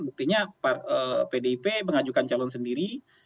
buktinya pdip mengajukan calon sendiri